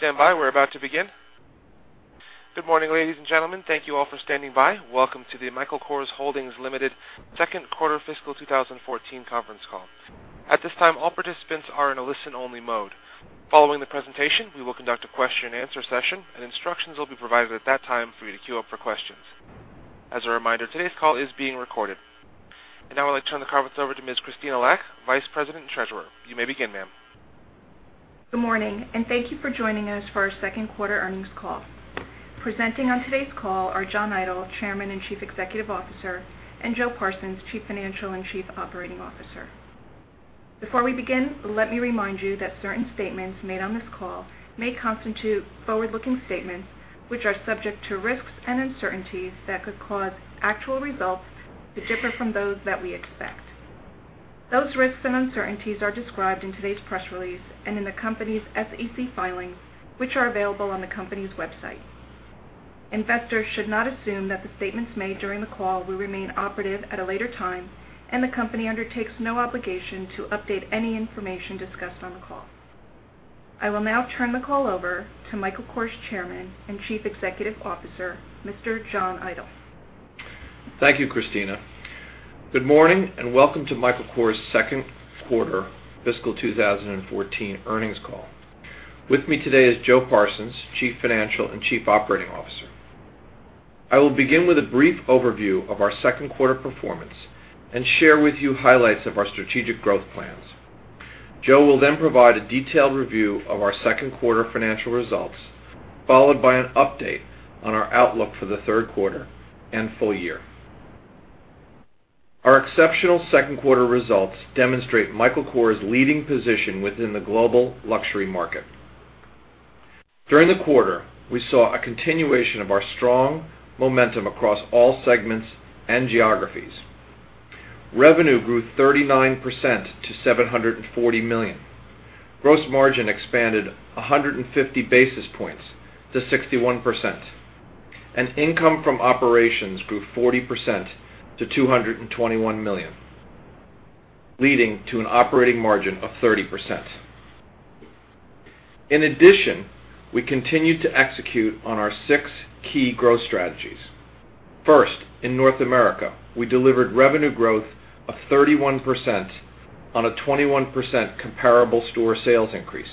Please stand by. We are about to begin. Good morning, ladies and gentlemen. Thank you all for standing by. Welcome to the Michael Kors Holdings Limited second quarter fiscal 2014 conference call. At this time, all participants are in a listen-only mode. Following the presentation, we will conduct a question and answer session, and instructions will be provided at that time for you to queue up for questions. As a reminder, today's call is being recorded. I would like to turn the conference over to Ms. Krystyna Lack, Vice President and Treasurer. You may begin, ma'am. Good morning, and thank you for joining us for our second quarter earnings call. Presenting on today's call are John Idol, Chairman and Chief Executive Officer, and Joe Parsons, Chief Financial and Chief Operating Officer. Before we begin, let me remind you that certain statements made on this call may constitute forward-looking statements, which are subject to risks and uncertainties that could cause actual results to differ from those that we expect. Those risks and uncertainties are described in today's press release and in the company's SEC filings, which are available on the company's website. Investors should not assume that the statements made during the call will remain operative at a later time, and the company undertakes no obligation to update any information discussed on the call. I will now turn the call over to Michael Kors Chairman and Chief Executive Officer, Mr. John Idol. Thank you, Krystyna. Good morning and welcome to Michael Kors' second quarter fiscal 2014 earnings call. With me today is Joe Parsons, Chief Financial and Chief Operating Officer. I will begin with a brief overview of our second quarter performance and share with you highlights of our strategic growth plans. Joe will then provide a detailed review of our second quarter financial results, followed by an update on our outlook for the third quarter and full year. Our exceptional second quarter results demonstrate Michael Kors' leading position within the global luxury market. During the quarter, we saw a continuation of our strong momentum across all segments and geographies. Revenue grew 39% to $740 million. Gross margin expanded 150 basis points to 61%, and income from operations grew 40% to $221 million, leading to an operating margin of 30%. In addition, we continued to execute on our six key growth strategies. First, in North America, we delivered revenue growth of 31% on a 21% comparable store sales increase.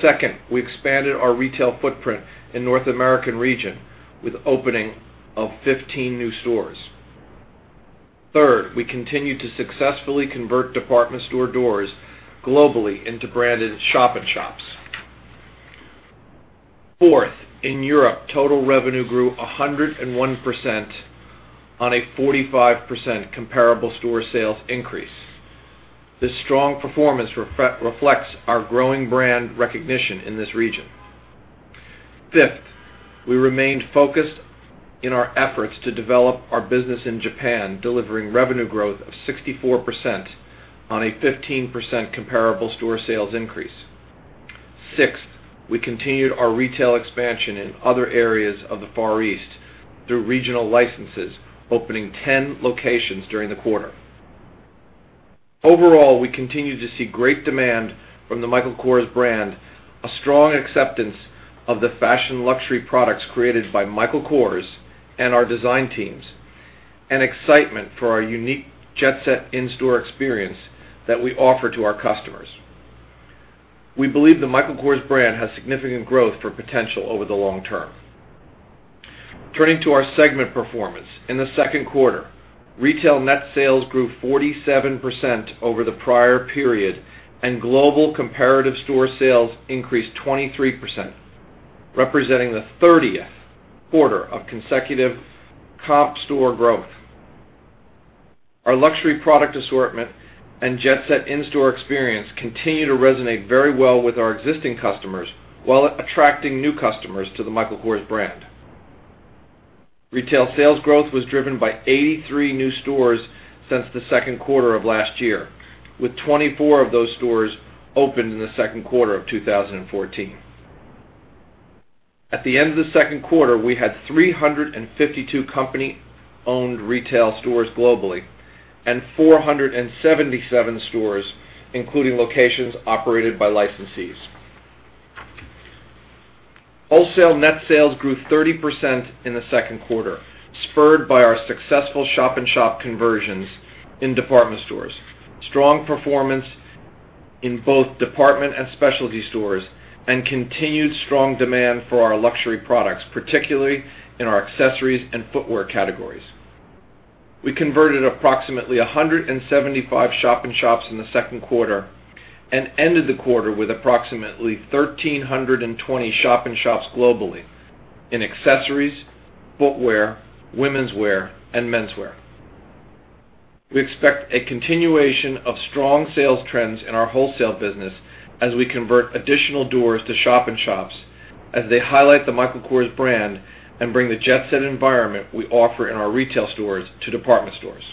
Second, we expanded our retail footprint in North American region with opening of 15 new stores. Third, we continued to successfully convert department store doors globally into branded shop-in-shops. Fourth, in Europe, total revenue grew 101% on a 45% comparable store sales increase. This strong performance reflects our growing brand recognition in this region. Fifth, we remained focused in our efforts to develop our business in Japan, delivering revenue growth of 64% on a 15% comparable store sales increase. Sixth, we continued our retail expansion in other areas of the Far East through regional licenses, opening 10 locations during the quarter. Overall, we continue to see great demand from the Michael Kors brand, a strong acceptance of the fashion luxury products created by Michael Kors and our design teams, and excitement for our unique Jet Set in-store experience that we offer to our customers. We believe the Michael Kors brand has significant growth potential over the long term. Turning to our segment performance. In the second quarter, retail net sales grew 47% over the prior period, and global comparative store sales increased 23%, representing the 30th quarter of consecutive comp store growth. Our luxury product assortment and Jet Set in-store experience continue to resonate very well with our existing customers while attracting new customers to the Michael Kors brand. Retail sales growth was driven by 83 new stores since the second quarter of last year, with 24 of those stores opened in the second quarter of 2014. At the end of the second quarter, we had 352 company-owned retail stores globally and 477 stores, including locations operated by licensees. Wholesale net sales grew 30% in the second quarter, spurred by our successful shop-in-shop conversions in department stores. Strong performance in both department and specialty stores, and continued strong demand for our luxury products, particularly in our accessories and footwear categories. We converted approximately 175 shop-in-shops in the second quarter and ended the quarter with approximately 1,320 shop-in-shops globally in accessories, footwear, womenswear, and menswear. We expect a continuation of strong sales trends in our wholesale business as we convert additional doors to shop-in-shops as they highlight the Michael Kors brand and bring the Jet Set environment we offer in our retail stores to department stores.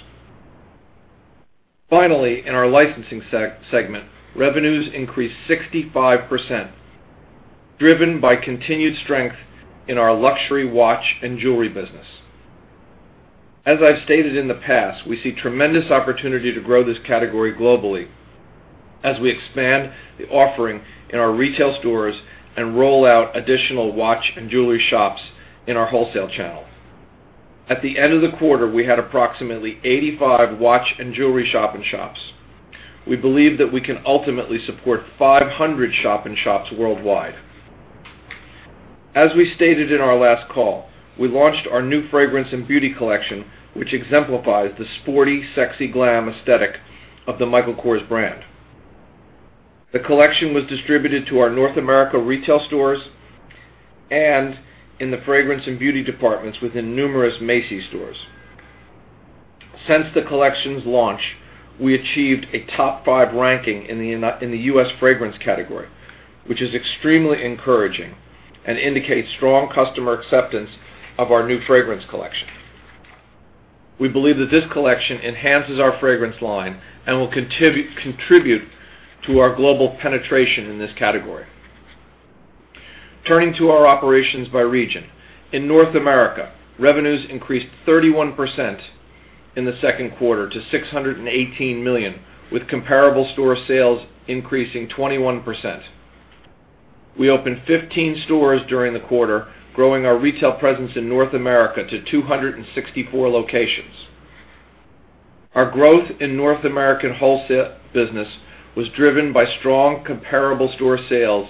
Finally, in our licensing segment, revenues increased 65% driven by continued strength in our luxury watch and jewelry business. As I've stated in the past, we see tremendous opportunity to grow this category globally as we expand the offering in our retail stores and roll out additional watch and jewelry shops in our wholesale channel. At the end of the quarter, we had approximately 85 watch and jewelry shop-in-shops. We believe that we can ultimately support 500 shop-in-shops worldwide. As we stated in our last call, we launched our new fragrance and beauty collection, which exemplifies the sporty, sexy glam aesthetic of the Michael Kors brand. The collection was distributed to our North America retail stores and in the fragrance and beauty departments within numerous Macy's stores. Since the collection's launch, we achieved a top five ranking in the U.S. fragrance category, which is extremely encouraging and indicates strong customer acceptance of our new fragrance collection. We believe that this collection enhances our fragrance line and will contribute to our global penetration in this category. Turning to our operations by region. In North America, revenues increased 31% in the second quarter to $618 million, with comparable store sales increasing 21%. We opened 15 stores during the quarter, growing our retail presence in North America to 264 locations. Our growth in North American wholesale business was driven by strong comparable store sales,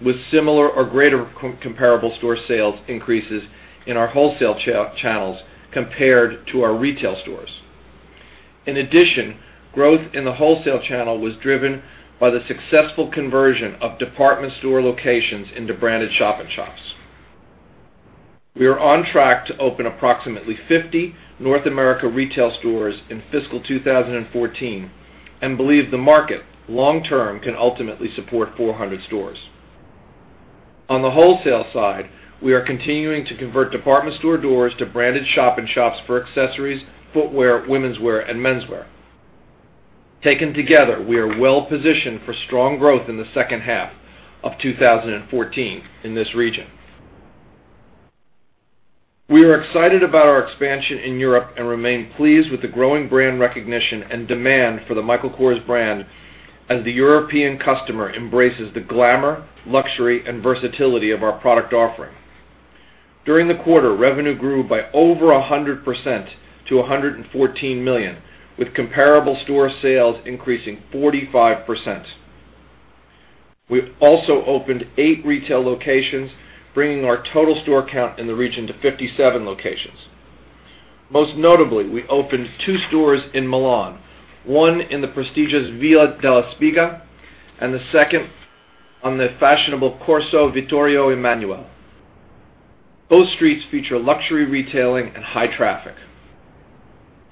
with similar or greater comparable store sales increases in our wholesale channels compared to our retail stores. In addition, growth in the wholesale channel was driven by the successful conversion of department store locations into branded shop-in-shops. We are on track to open approximately 50 North America retail stores in fiscal 2014 and believe the market, long term, can ultimately support 400 stores. On the wholesale side, we are continuing to convert department store doors to branded shop-in-shops for accessories, footwear, womenswear, and menswear. Taken together, we are well positioned for strong growth in the second half of 2014 in this region. We are excited about our expansion in Europe and remain pleased with the growing brand recognition and demand for the Michael Kors brand as the European customer embraces the glamour, luxury, and versatility of our product offering. During the quarter, revenue grew by over 100% to $114 million, with comparable store sales increasing 45%. We've also opened eight retail locations, bringing our total store count in the region to 57 locations. Most notably, we opened two stores in Milan, one in the prestigious Via della Spiga and the second on the fashionable Corso Vittorio Emanuele. Both streets feature luxury retailing and high traffic.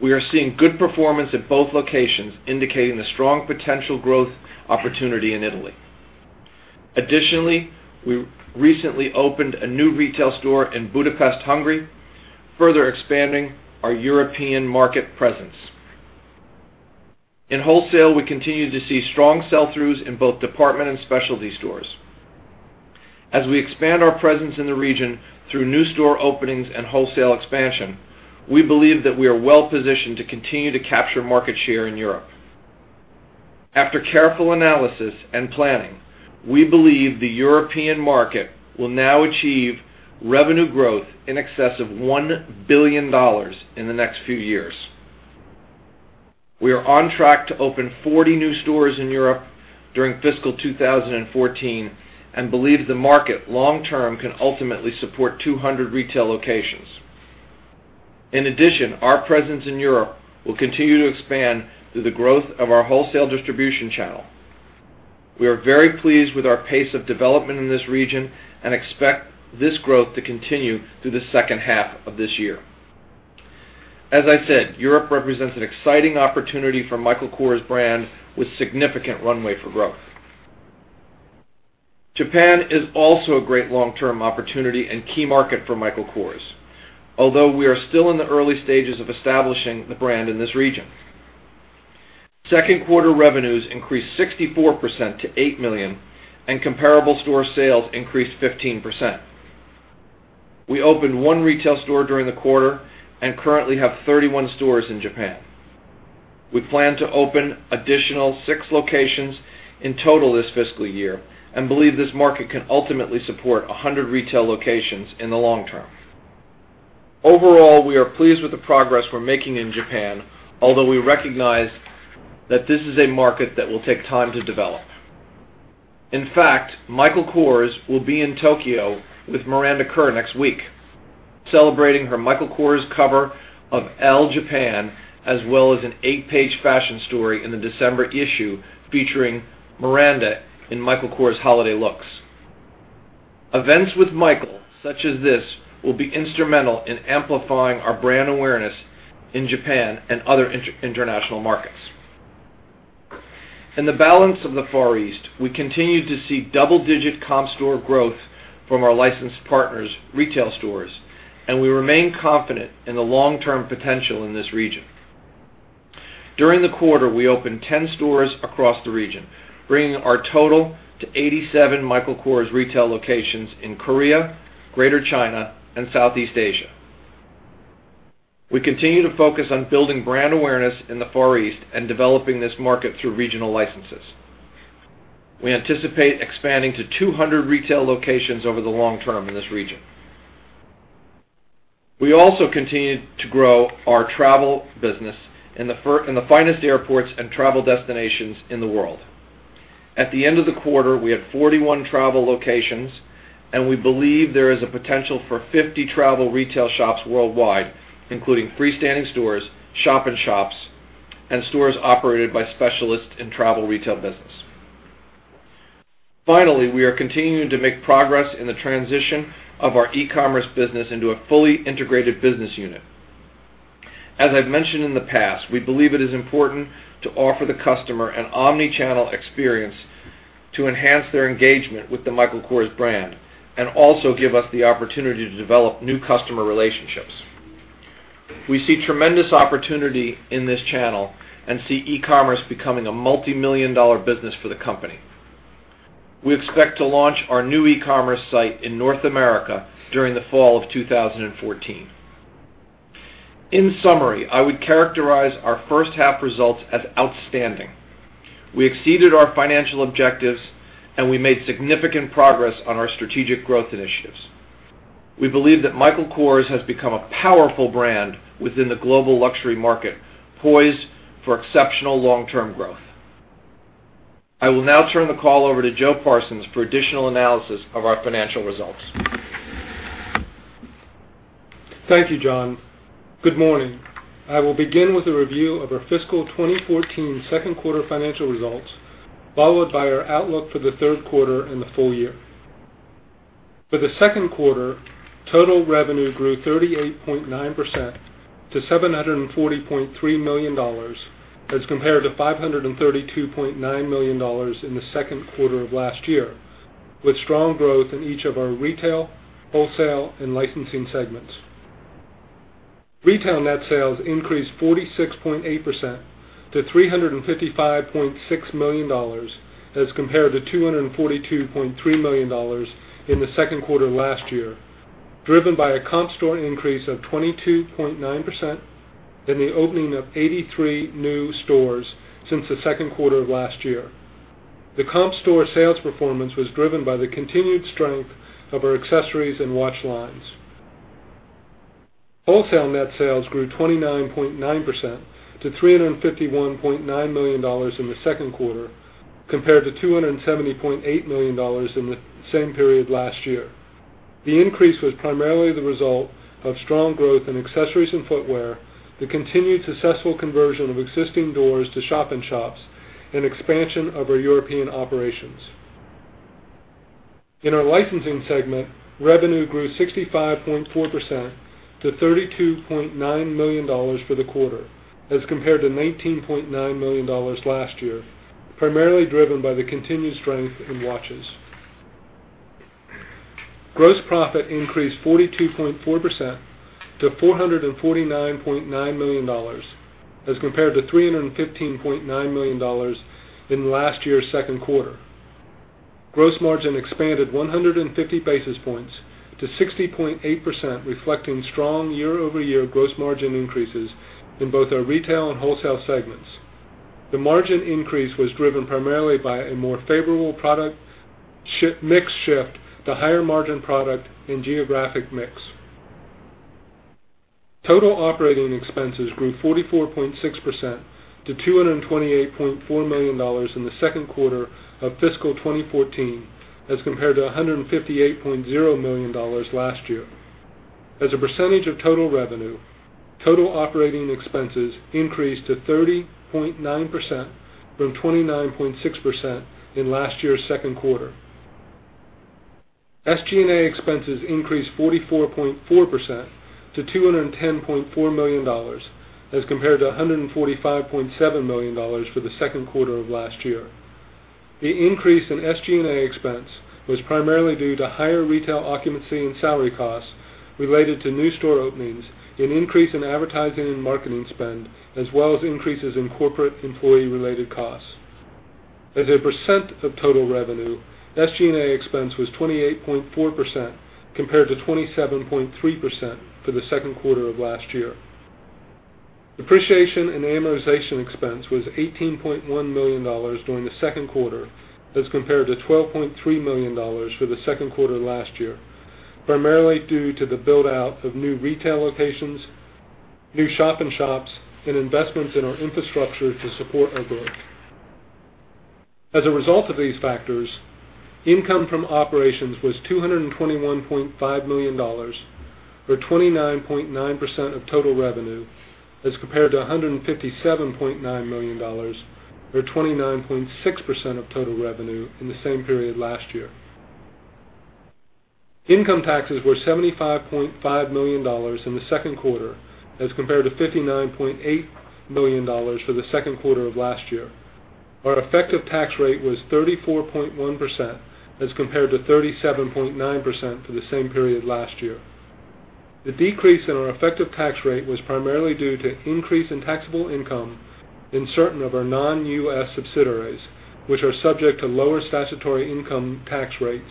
We are seeing good performance at both locations, indicating a strong potential growth opportunity in Italy. Additionally, we recently opened a new retail store in Budapest, Hungary, further expanding our European market presence. In wholesale, we continue to see strong sell-throughs in both department and specialty stores. As we expand our presence in the region through new store openings and wholesale expansion, we believe that we are well positioned to continue to capture market share in Europe. After careful analysis and planning, we believe the European market will now achieve revenue growth in excess of $1 billion in the next few years. We are on track to open 40 new stores in Europe during fiscal 2014 and believe the market, long term, can ultimately support 200 retail locations. In addition, our presence in Europe will continue to expand through the growth of our wholesale distribution channel. We are very pleased with our pace of development in this region and expect this growth to continue through the second half of this year. As I said, Europe represents an exciting opportunity for Michael Kors brand with significant runway for growth. Japan is also a great long-term opportunity and key market for Michael Kors, although we are still in the early stages of establishing the brand in this region. Second quarter revenues increased 64% to $8 million and comparable store sales increased 15%. We opened one retail store during the quarter and currently have 31 stores in Japan. We plan to open additional six locations in total this fiscal year and believe this market can ultimately support 100 retail locations in the long term. Overall, we are pleased with the progress we're making in Japan, although we recognize that this is a market that will take time to develop. In fact, Michael Kors will be in Tokyo with Miranda Kerr next week, celebrating her Michael Kors cover of Elle Japan, as well as an eight-page fashion story in the December issue featuring Miranda in Michael Kors holiday looks. Events with Michael such as this will be instrumental in amplifying our brand awareness in Japan and other international markets. In the balance of the Far East, we continue to see double-digit comp store growth from our licensed partners' retail stores, and we remain confident in the long-term potential in this region. During the quarter, we opened 10 stores across the region, bringing our total to 87 Michael Kors retail locations in Korea, Greater China, and Southeast Asia. We continue to focus on building brand awareness in the Far East and developing this market through regional licenses. We anticipate expanding to 200 retail locations over the long term in this region. We also continue to grow our travel business in the finest airports and travel destinations in the world. At the end of the quarter, we had 41 travel locations, and we believe there is a potential for 50 travel retail shops worldwide, including freestanding stores, shop-in-shops, and stores operated by specialists in travel retail business. Finally, we are continuing to make progress in the transition of our e-commerce business into a fully integrated business unit. As I've mentioned in the past, we believe it is important to offer the customer an omni-channel experience to enhance their engagement with the Michael Kors brand and also give us the opportunity to develop new customer relationships. We see tremendous opportunity in this channel and see e-commerce becoming a multimillion-dollar business for the company. We expect to launch our new e-commerce site in North America during the fall of 2014. In summary, I would characterize our first half results as outstanding. We exceeded our financial objectives, and we made significant progress on our strategic growth initiatives. We believe that Michael Kors has become a powerful brand within the global luxury market, poised for exceptional long-term growth. I will now turn the call over to Joe Parsons for additional analysis of our financial results. Thank you, John. Good morning. I will begin with a review of our fiscal 2014 second quarter financial results, followed by our outlook for the third quarter and the full year. For the second quarter, total revenue grew 38.9% to $740.3 million as compared to $532.9 million in the second quarter of last year, with strong growth in each of our retail, wholesale, and licensing segments. Retail net sales increased 46.8% to $355.6 million as compared to $242.3 million in the second quarter last year, driven by a comp store increase of 22.9% and the opening of 83 new stores since the second quarter of last year. The comp store sales performance was driven by the continued strength of our accessories and watch lines. Wholesale net sales grew 29.9% to $351.9 million in the second quarter, compared to $270.8 million in the same period last year. The increase was primarily the result of strong growth in accessories and footwear, the continued successful conversion of existing doors to shop-in-shops, and expansion of our European operations. In our licensing segment, revenue grew 65.4% to $32.9 million for the quarter as compared to $19.9 million last year, primarily driven by the continued strength in watches. Gross profit increased 42.4% to $449.9 million as compared to $315.9 million in last year's second quarter. Gross margin expanded 150 basis points to 60.8%, reflecting strong year-over-year gross margin increases in both our retail and wholesale segments. The margin increase was driven primarily by a more favorable product mix shift to higher margin product and geographic mix. Total operating expenses grew 44.6% to $228.4 million in the second quarter of fiscal 2014 as compared to $158.0 million last year. As a % of total revenue, total operating expenses increased to 30.9% from 29.6% in last year's second quarter. SG&A expenses increased 44.4% to $210.4 million as compared to $145.7 million for the second quarter of last year. The increase in SG&A expense was primarily due to higher retail occupancy and salary costs related to new store openings, an increase in advertising and marketing spend, as well as increases in corporate employee-related costs. As a % of total revenue, SG&A expense was 28.4% compared to 27.3% for the second quarter of last year. Depreciation and amortization expense was $18.1 million during the second quarter as compared to $12.3 million for the second quarter last year, primarily due to the build-out of new retail locations, new shop-in-shops, and investments in our infrastructure to support our growth. As a result of these factors, income from operations was $221.5 million or 29.9% of total revenue as compared to $157.9 million or 29.6% of total revenue in the same period last year. Income taxes were $75.5 million in the second quarter as compared to $59.8 million for the second quarter of last year. Our effective tax rate was 34.1% as compared to 37.9% for the same period last year. The decrease in our effective tax rate was primarily due to increase in taxable income in certain of our non-U.S. subsidiaries, which are subject to lower statutory income tax rates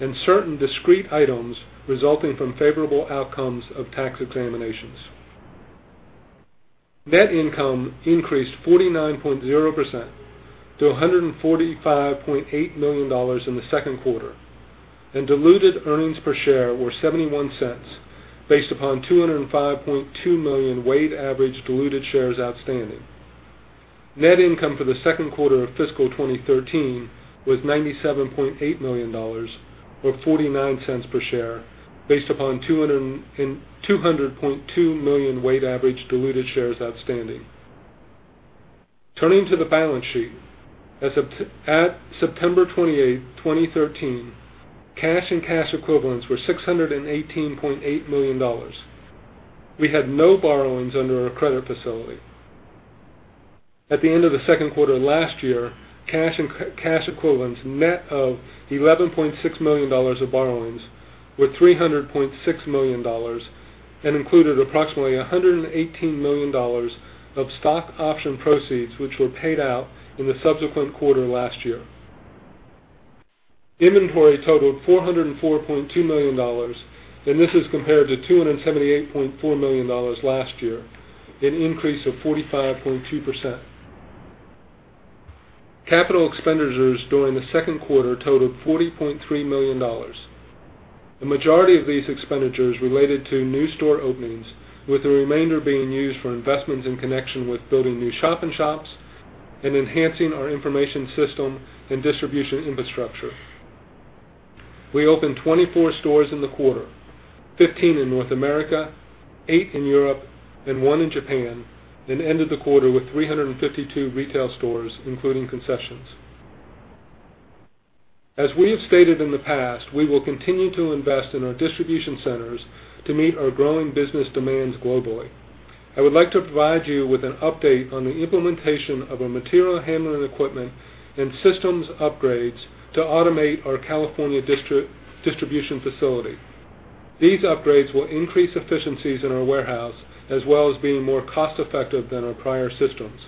and certain discrete items resulting from favorable outcomes of tax examinations. Net income increased 49.0% to $145.8 million in the second quarter, and diluted earnings per share were $0.71, based upon 205.2 million weighted average diluted shares outstanding. Net income for the second quarter of fiscal 2013 was $97.8 million, or $0.49 per share, based upon 200.2 million weighted average diluted shares outstanding. Turning to the balance sheet. At September 28th, 2013, cash and cash equivalents were $618.8 million. We had no borrowings under our credit facility. At the end of the second quarter last year, cash and cash equivalents, net of $11.6 million of borrowings, were $300.6 million and included approximately $118 million of stock option proceeds, which were paid out in the subsequent quarter last year. Inventory totaled $404.2 million, and this is compared to $278.4 million last year, an increase of 45.2%. Capital expenditures during the second quarter totaled $40.3 million. The majority of these expenditures related to new store openings, with the remainder being used for investments in connection with building new shop-in-shops and enhancing our information system and distribution infrastructure. We opened 24 stores in the quarter, 15 in North America, eight in Europe, and one in Japan, and ended the quarter with 352 retail stores, including concessions. As we have stated in the past, we will continue to invest in our distribution centers to meet our growing business demands globally. I would like to provide you with an update on the implementation of our material handling equipment and systems upgrades to automate our California distribution facility. These upgrades will increase efficiencies in our warehouse, as well as being more cost-effective than our prior systems.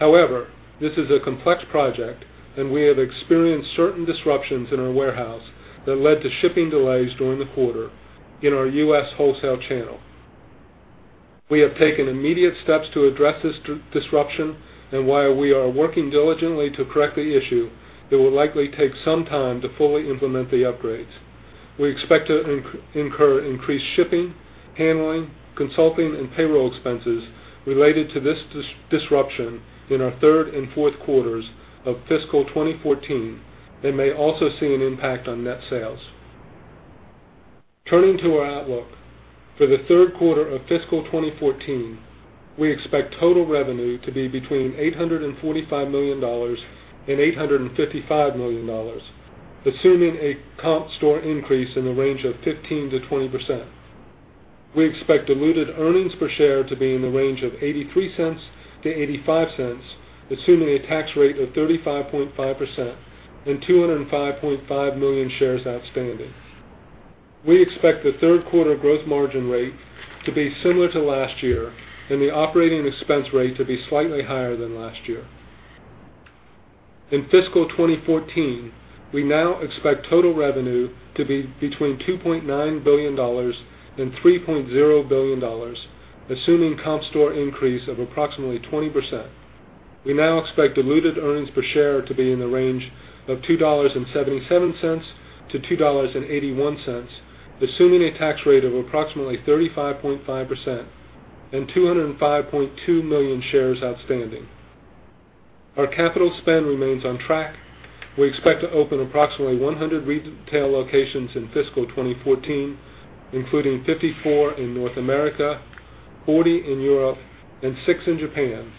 However, this is a complex project, and we have experienced certain disruptions in our warehouse that led to shipping delays during the quarter in our U.S. wholesale channel. We have taken immediate steps to address this disruption, while we are working diligently to correct the issue, it will likely take some time to fully implement the upgrades. We expect to incur increased shipping, handling, consulting, and payroll expenses related to this disruption in our third and fourth quarters of fiscal 2014 and may also see an impact on net sales. Turning to our outlook. For the third quarter of fiscal 2014, we expect total revenue to be between $845 million and $855 million, assuming a comp store increase in the range of 15%-20%. We expect diluted earnings per share to be in the range of $0.83-$0.85, assuming a tax rate of 35.5% and 205.5 million shares outstanding. We expect the third quarter growth margin rate to be similar to last year and the operating expense rate to be slightly higher than last year. In fiscal 2014, we now expect total revenue to be between $2.9 billion and $3.0 billion, assuming comp store increase of approximately 20%. We now expect diluted earnings per share to be in the range of $2.77-$2.81, assuming a tax rate of approximately 35.5% and 205.2 million shares outstanding. Our capital spend remains on track. We expect to open approximately 100 retail locations in fiscal 2014, including 54 in North America, 40 in Europe, and six in Japan,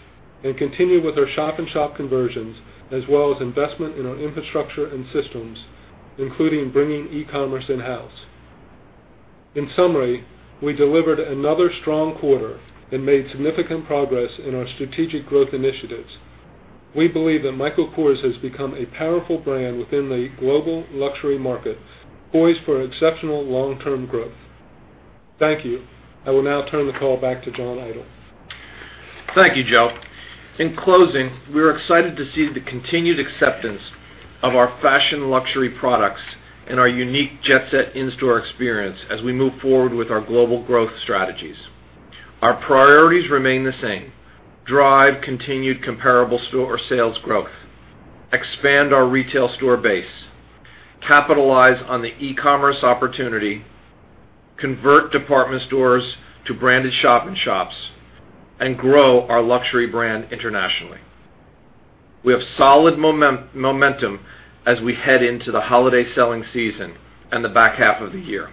and continue with our shop-in-shop conversions, as well as investment in our infrastructure and systems, including bringing e-commerce in-house. In summary, we delivered another strong quarter and made significant progress in our strategic growth initiatives. We believe that Michael Kors has become a powerful brand within the global luxury market, poised for exceptional long-term growth. Thank you. I will now turn the call back to John Idol. Thank you, Joe. In closing, we are excited to see the continued acceptance of our fashion luxury products and our unique Jet Set in-store experience as we move forward with our global growth strategies. Our priorities remain the same: drive continued comparable store or sales growth, expand our retail store base, capitalize on the e-commerce opportunity, convert department stores to branded shop-in-shops, and grow our luxury brand internationally. We have solid momentum as we head into the holiday selling season and the back half of the year.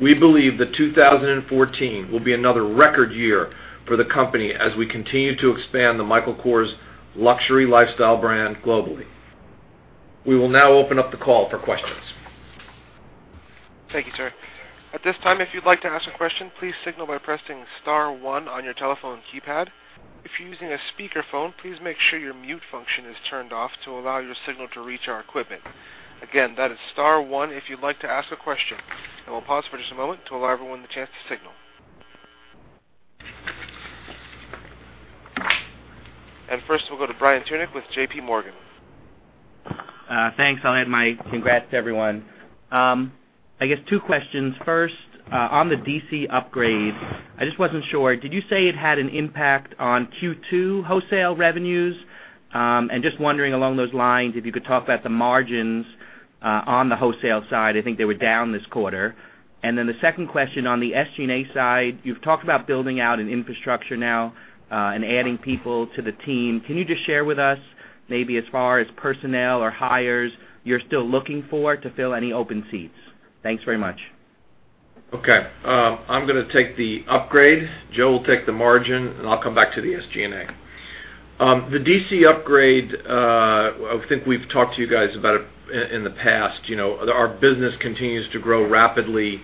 We believe that 2014 will be another record year for the company as we continue to expand the Michael Kors luxury lifestyle brand globally. We will now open up the call for questions. Thank you, sir. At this time, if you'd like to ask a question, please signal by pressing *1 on your telephone keypad. If you're using a speakerphone, please make sure your mute function is turned off to allow your signal to reach our equipment. Again, that is *1 if you'd like to ask a question. We'll pause for just a moment to allow everyone the chance to signal. First we'll go to Brian Tunick with JPMorgan. Thanks. I'll add my congrats to everyone. I guess two questions. First, on the DC upgrade, I just wasn't sure, did you say it had an impact on Q2 wholesale revenues? Just wondering along those lines, if you could talk about the margins on the wholesale side. I think they were down this quarter. The second question on the SG&A side, you've talked about building out an infrastructure now and adding people to the team. Can you just share with us maybe as far as personnel or hires you're still looking for to fill any open seats? Thanks very much. Okay. I'm going to take the upgrade. Joe will take the margin, I'll come back to the SG&A. The DC upgrade, I think we've talked to you guys about it in the past. Our business continues to grow rapidly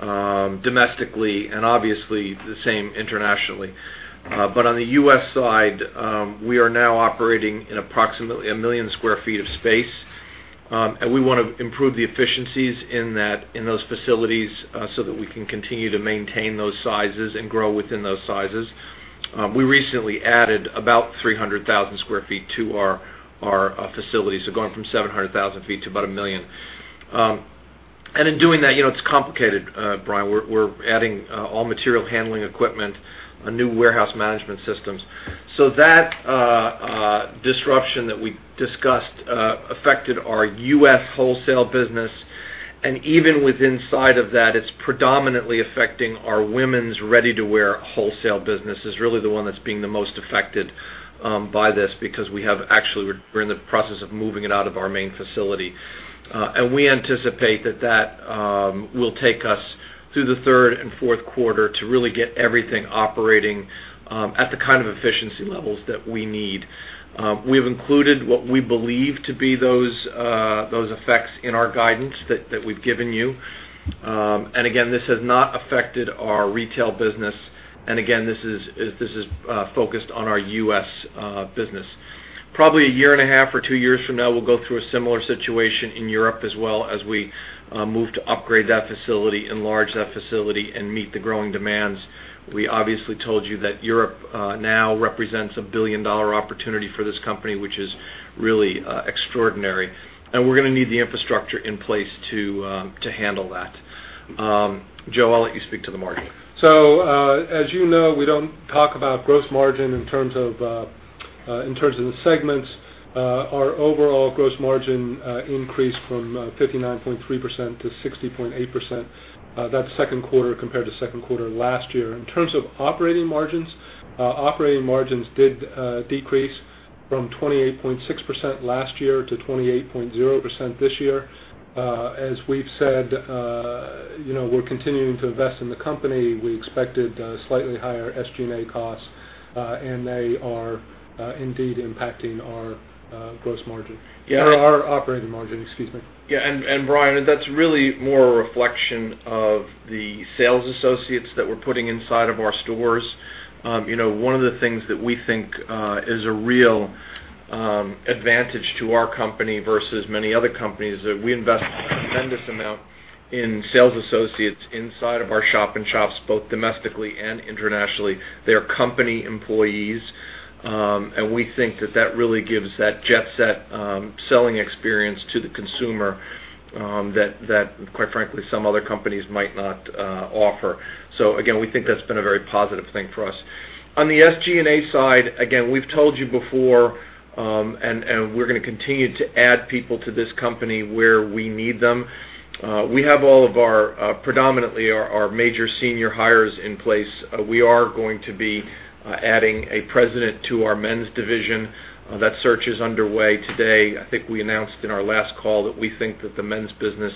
domestically, obviously the same internationally. But on the U.S. side, we are now operating in approximately 1 million sq ft of space. We want to improve the efficiencies in those facilities so that we can continue to maintain those sizes and grow within those sizes. We recently added about 300,000 sq ft to our facilities, so going from 700,000 sq ft to about 1 million. In doing that, it's complicated, Brian. We're adding all material handling equipment, new warehouse management systems. That disruption that we discussed affected our U.S. wholesale business and even with inside of that, it's predominantly affecting our women's ready-to-wear wholesale business is really the one that's being the most affected by this because we have actually, we're in the process of moving it out of our main facility. We anticipate that that will take us through the third and fourth quarter to really get everything operating at the kind of efficiency levels that we need. We've included what we believe to be those effects in our guidance that we've given you. Again, this has not affected our retail business. Again, this is focused on our U.S. business. Probably a year and a half or two years from now, we'll go through a similar situation in Europe as well as we move to upgrade that facility, enlarge that facility and meet the growing demands. We obviously told you that Europe now represents a billion-dollar opportunity for this company, which is really extraordinary, we're going to need the infrastructure in place to handle that. Joe, I'll let you speak to the margin. As you know, we don't talk about gross margin in terms of the segments. Our overall gross margin increased from 59.3%-60.8%. That's second quarter compared to second quarter last year. In terms of operating margins, operating margins did decrease from 28.6%-28.0% this year. As we've said, we're continuing to invest in the company. We expected slightly higher SG&A costs, they are indeed impacting our gross margin or our operating margin, excuse me. Brian, that's really more a reflection of the sales associates that we're putting inside of our stores. One of the things that we think is a real advantage to our company versus many other companies is that we invest a tremendous amount in sales associates inside of our shop-in-shops, both domestically and internationally. They're company employees. We think that that really gives that Jet Set selling experience to the consumer that quite frankly, some other companies might not offer. Again, we think that's been a very positive thing for us. On the SG&A side, again, we've told you before we're going to continue to add people to this company where we need them. We have all of our predominantly major senior hires in place. We are going to be adding a president to our men's division. That search is underway today. I think we announced in our last call that we think that the men's business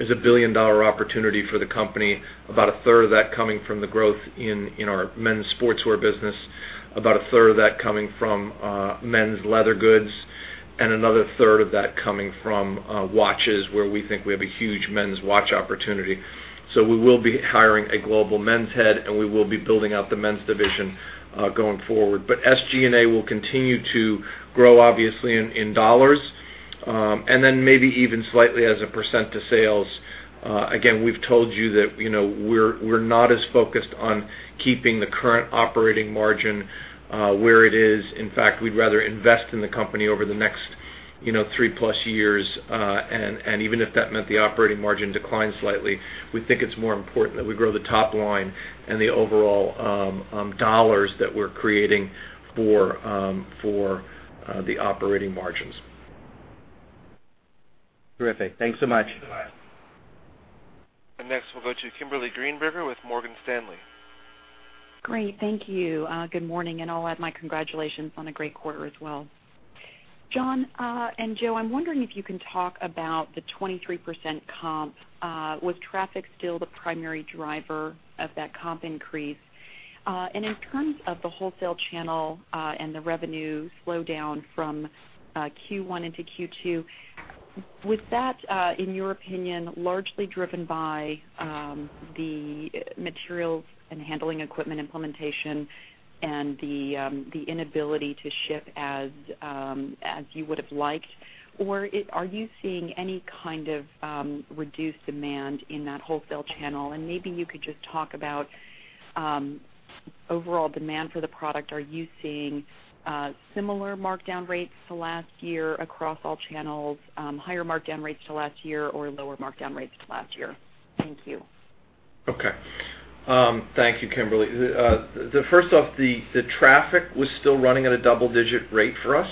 is a billion-dollar opportunity for the company. About a third of that coming from the growth in our menswear business, about a third of that coming from men's leather goods, and another third of that coming from watches where we think we have a huge men's watch opportunity. We will be hiring a global men's head, and we will be building out the men's division going forward. SG&A will continue to grow obviously in dollars and then maybe even slightly as a % to sales. We've told you that we're not as focused on keeping the current operating margin where it is. In fact, we'd rather invest in the company over the next three plus years and even if that meant the operating margin declines slightly. We think it's more important that we grow the top line and the overall dollars that we're creating for the operating margins. Terrific. Thanks so much. Thanks, Brian. Next, we'll go to Kimberly Greenberger with Morgan Stanley. Great. Thank you. Good morning, I'll add my congratulations on a great quarter as well. John and Joe, I'm wondering if you can talk about the 23% comp. Was traffic still the primary driver of that comp increase? In terms of the wholesale channel and the revenue slowdown from Q1 into Q2, was that in your opinion, largely driven by the materials and handling equipment implementation and the inability to ship as you would have liked or are you seeing any kind of reduced demand in that wholesale channel? Maybe you could just talk about overall demand for the product, are you seeing similar markdown rates to last year across all channels, higher markdown rates to last year, or lower markdown rates to last year? Thank you. Okay. Thank you, Kimberly. First off, the traffic was still running at a double-digit rate for us.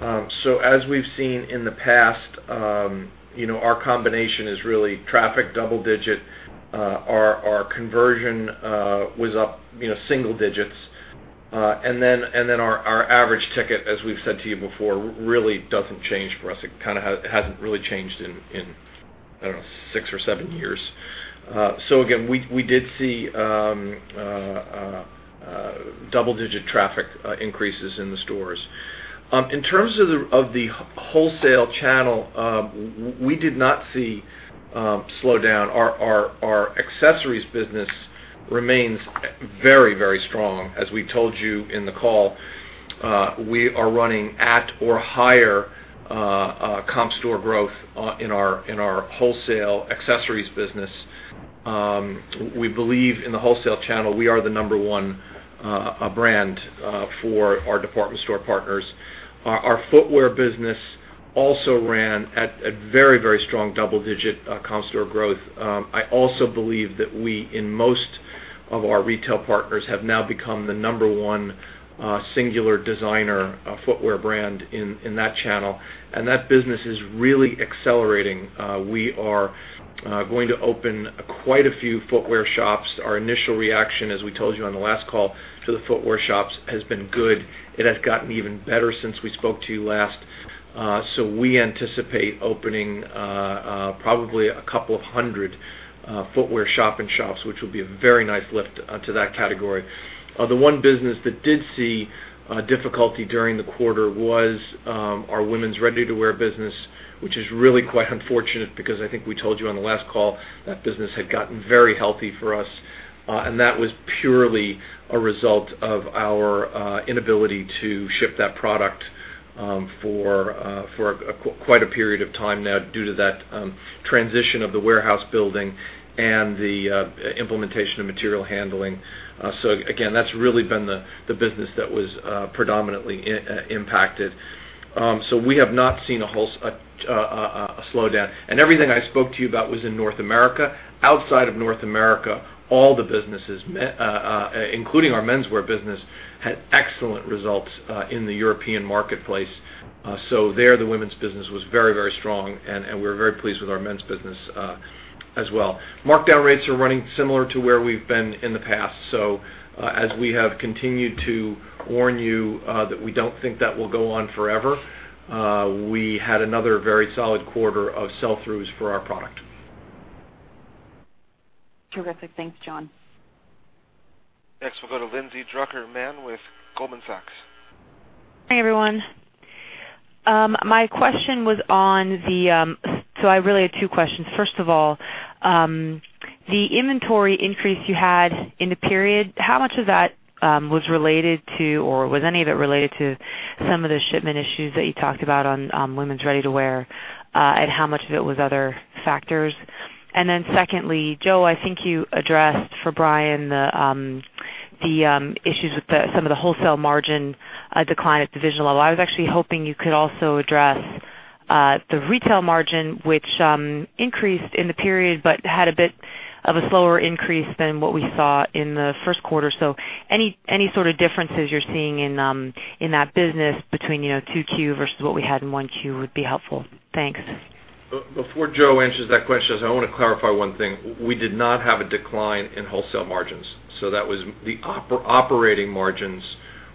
As we've seen in the past, our combination is really traffic double-digit. Our conversion was up single-digits. Our average ticket, as we've said to you before, really doesn't change for us. It hasn't really changed in, I don't know, six or seven years. Again, we did see double-digit traffic increases in the stores. In terms of the wholesale channel, we did not see a slowdown. Our accessories business remains very strong. As we told you in the call, we are running at or higher comp store growth in our wholesale accessories business. We believe in the wholesale channel, we are the number one brand for our department store partners. Our footwear business also ran at a very strong double-digit comp store growth. I also believe that we, in most of our retail partners, have now become the number one singular designer footwear brand in that channel, that business is really accelerating. We are going to open quite a few footwear shops. Our initial reaction, as we told you on the last call to the footwear shops, has been good. It has gotten even better since we spoke to you last. We anticipate opening probably a couple of 100 footwear shop-in-shops, which will be a very nice lift to that category. The one business that did see a difficulty during the quarter was our women's ready-to-wear business, which is really quite unfortunate because I think we told you on the last call that business had gotten very healthy for us. That was purely a result of our inability to ship that product for quite a period of time now due to that transition of the warehouse building and the implementation of material handling. Again, that's really been the business that was predominantly impacted. We have not seen a slowdown. Everything I spoke to you about was in North America. Outside of North America, all the businesses, including our menswear business, had excellent results in the European marketplace. There, the women's business was very strong, and we're very pleased with our men's business as well. Markdown rates are running similar to where we've been in the past. As we have continued to warn you that we don't think that will go on forever, we had another very solid quarter of sell-throughs for our product. Terrific. Thanks, John. Next, we'll go to Lindsay Drucker Mann with Goldman Sachs. Hi, everyone. I really had two questions. First of all, the inventory increase you had in the period, how much of that was related to or was any of it related to some of the shipment issues that you talked about on women's ready-to-wear, and how much of it was other factors? Then secondly, Joe, I think you addressed for Brian the issues with some of the wholesale margin decline at the division level. I was actually hoping you could also address the retail margin, which increased in the period but had a bit of a slower increase than what we saw in the first quarter. Any sort of differences you're seeing in that business between Q2 versus what we had in 1Q would be helpful. Thanks. Before Joe answers that question, I want to clarify one thing. We did not have a decline in wholesale margins. The operating margins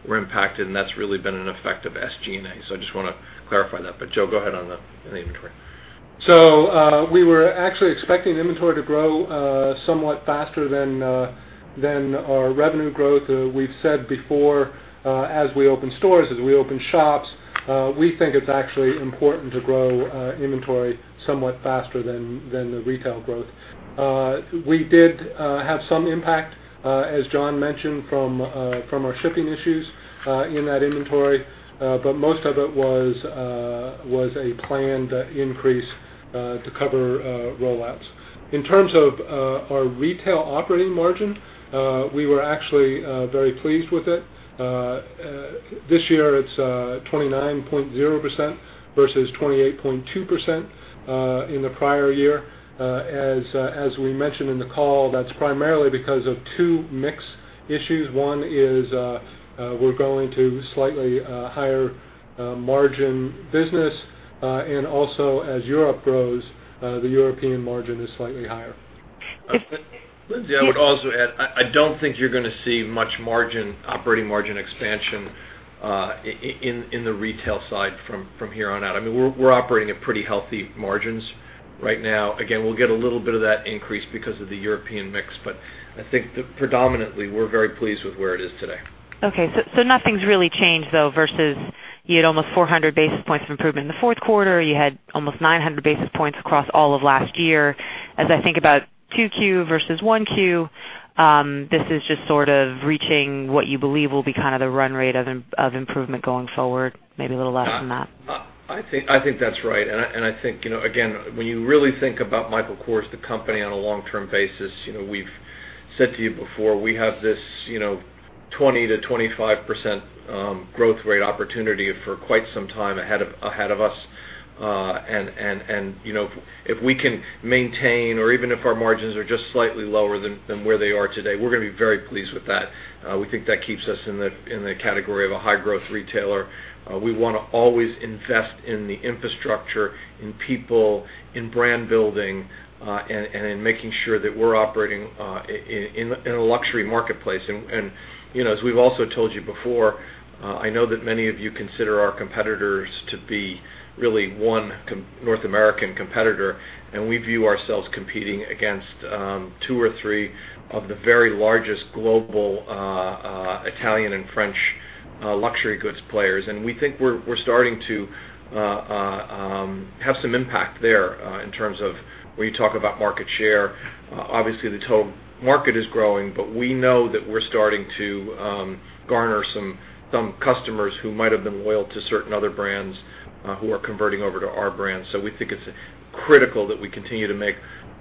were impacted, and that's really been an effect of SG&A. I just want to clarify that. Joe, go ahead on the inventory. We were actually expecting inventory to grow somewhat faster than our revenue growth. We've said before as we open stores, as we open shops, we think it's actually important to grow inventory somewhat faster than the retail growth. We did have some impact, as John mentioned, from our shipping issues in that inventory. Most of it was a planned increase to cover rollouts. In terms of our retail operating margin, we were actually very pleased with it. This year it's 29.0% versus 28.2% in the prior year. As we mentioned in the call, that's primarily because of two mix issues. One is we're going to slightly higher margin business and also as Europe grows, the European margin is slightly higher. Lindsay, I would also add, I don't think you're going to see much operating margin expansion in the retail side from here on out. I mean, we're operating at pretty healthy margins right now. Again, we'll get a little bit of that increase because of the European mix. I think predominantly, we're very pleased with where it is today. Okay. Nothing's really changed, though, versus you had almost 400 basis points of improvement in the fourth quarter. You had almost 900 basis points across all of last year. As I think about Q2 versus 1Q, this is just sort of reaching what you believe will be kind of the run rate of improvement going forward, maybe a little less than that. I think that's right. I think, again, when you really think about Michael Kors, the company, on a long-term basis, we've said to you before, we have this 20%-25% growth rate opportunity for quite some time ahead of us. If we can maintain or even if our margins are just slightly lower than where they are today, we're going to be very pleased with that. We think that keeps us in the category of a high-growth retailer. We want to always invest in the infrastructure, in people, in brand building, and in making sure that we're operating in a luxury marketplace. As we've also told you before, I know that many of you consider our competitors to be really one North American competitor, and we view ourselves competing against two or three of the very largest global Italian and French luxury goods players. We think we're starting to have some impact there in terms of when you talk about market share. Obviously, the total market is growing, but we know that we're starting to garner some customers who might have been loyal to certain other brands who are converting over to our brand. We think it's critical that we continue to make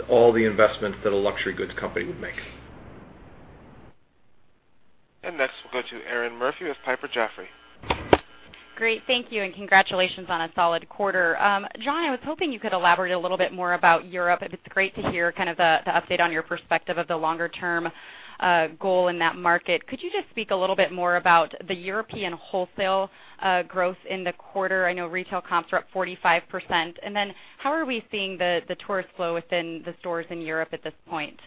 all the investments that a luxury goods company would make. Next, we'll go to Erinn Murphy with Piper Jaffray. Great. Thank you, congratulations on a solid quarter. John, I was hoping you could elaborate a little bit more about Europe. It's great to hear the update on your perspective of the longer-term goal in that market. Could you just speak a little bit more about the European wholesale growth in the quarter? I know retail comps are up 45%. Then how are we seeing the tourist flow within the stores in Europe at this point?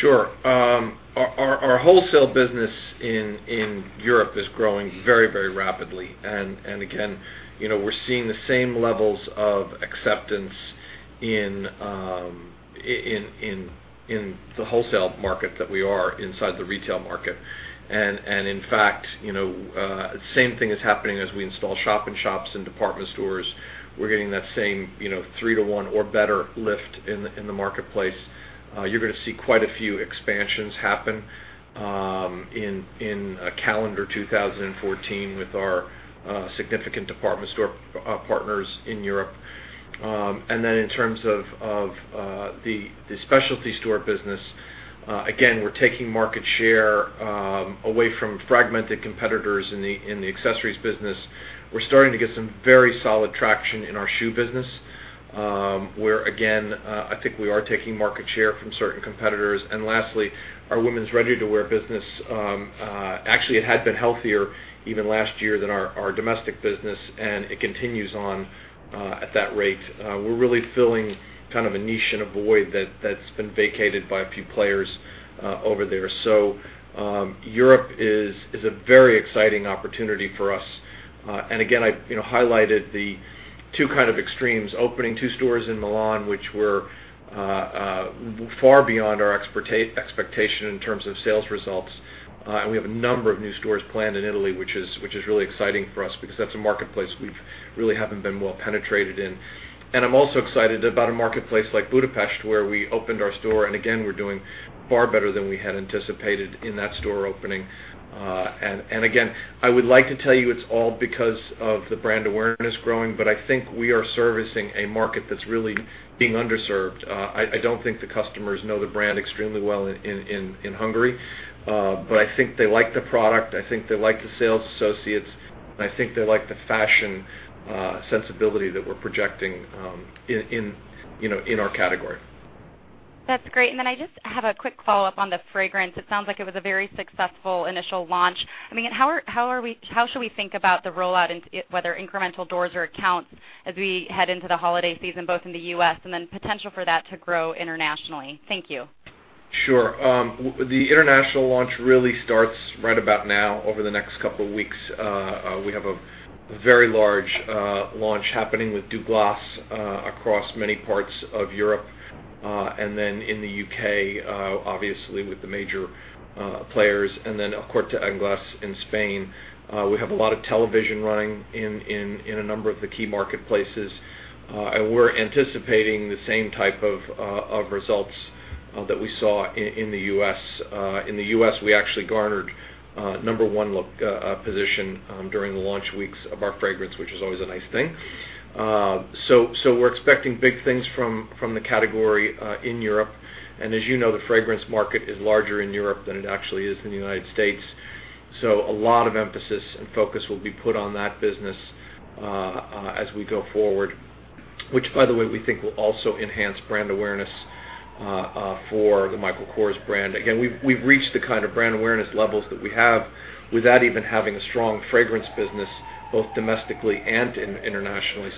Sure. Our wholesale business in Europe is growing very rapidly. Again, we're seeing the same levels of acceptance in the wholesale market that we are inside the retail market. In fact, the same thing is happening as we install shop-in-shops in department stores. We're getting that same three to one or better lift in the marketplace. You're going to see quite a few expansions happen in calendar 2014 with our significant department store partners in Europe. Then in terms of the specialty store business, again, we're taking market share away from fragmented competitors in the accessories business. We're starting to get some very solid traction in our shoe business, where again, I think we are taking market share from certain competitors. Lastly, our women's ready-to-wear business, actually, it had been healthier even last year than our domestic business, and it continues on at that rate. We're really filling a niche and a void that's been vacated by a few players over there. Europe is a very exciting opportunity for us. Again, I highlighted the two extremes. Opening two stores in Milan, which were far beyond our expectation in terms of sales results. We have a number of new stores planned in Italy, which is really exciting for us because that's a marketplace we really haven't been well penetrated in. I'm also excited about a marketplace like Budapest, where we opened our store, again, we're doing far better than we had anticipated in that store opening. Again, I would like to tell you it's all because of the brand awareness growing, but I think we are servicing a market that's really being underserved. I don't think the customers know the brand extremely well in Hungary. I think they like the product, I think they like the sales associates, and I think they like the fashion sensibility that we're projecting in our category. That's great. Then I just have a quick follow-up on the fragrance. It sounds like it was a very successful initial launch. How should we think about the rollout, whether incremental doors or accounts as we head into the holiday season, both in the U.S. and then potential for that to grow internationally? Thank you. Sure. The international launch really starts right about now, over the next couple of weeks. We have a very large launch happening with Douglas across many parts of Europe. Then in the U.K., obviously with the major players, and then El Corte Inglés in Spain. We have a lot of television running in a number of the key marketplaces. We're anticipating the same type of results that we saw in the U.S. In the U.S., we actually garnered the number 1 position during the launch weeks of our fragrance, which is always a nice thing. We're expecting big things from the category in Europe. As you know, the fragrance market is larger in Europe than it actually is in the United States. A lot of emphasis and focus will be put on that business as we go forward, which, by the way, we think will also enhance brand awareness for the Michael Kors brand. Again, we've reached the kind of brand awareness levels that we have without even having a strong fragrance business, both domestically and internationally.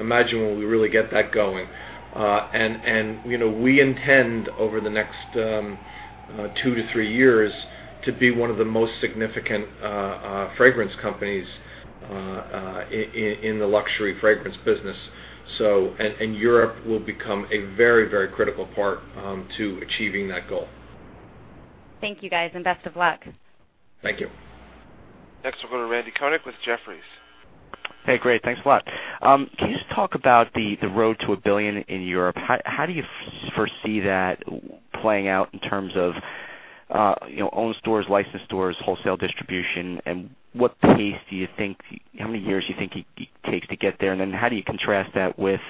Imagine when we really get that going. We intend over the next 2 to 3 years to be one of the most significant fragrance companies in the luxury fragrance business. Europe will become a very critical part to achieving that goal. Thank you, guys, and best of luck. Thank you. We'll go to Randal Konik with Jefferies. Hey, great. Thanks a lot. Can you just talk about the road to $1 billion in Europe? How do you foresee that playing out in terms of own stores, licensed stores, wholesale distribution, what pace do you think, how many years you think it takes to get there? How do you contrast that with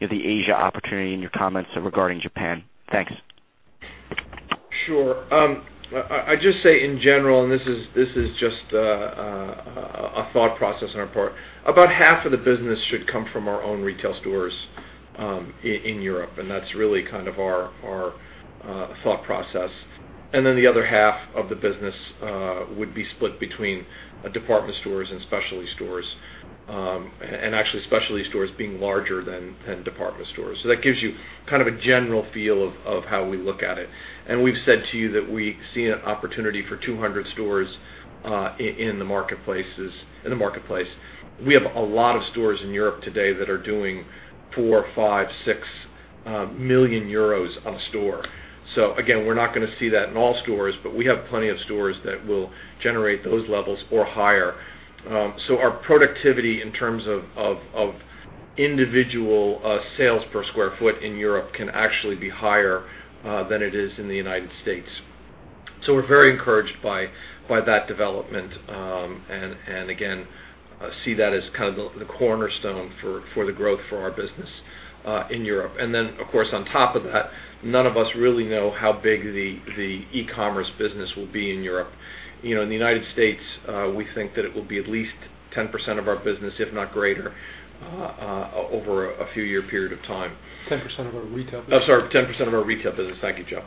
the Asia opportunity and your comments regarding Japan? Thanks. Sure. I just say in general, this is just a thought process on our part. About half of the business should come from our own retail stores in Europe, that's really kind of our thought process. The other half of the business would be split between department stores and specialty stores, actually specialty stores being larger than department stores. That gives you kind of a general feel of how we look at it. We've said to you that we see an opportunity for 200 stores in the marketplace. We have a lot of stores in Europe today that are doing four million EUR, five million EUR, six million EUR on a store. Again, we're not going to see that in all stores, but we have plenty of stores that will generate those levels or higher. Our productivity in terms of individual sales per square foot in Europe can actually be higher than it is in the U.S. We're very encouraged by that development, again, see that as kind of the cornerstone for the growth for our business in Europe. Of course, on top of that, none of us really know how big the e-commerce business will be in Europe. In the U.S., we think that it will be at least 10% of our business, if not greater, over a few year period of time. 10% of our retail business. I'm sorry, 10% of our retail business. Thank you, Joe.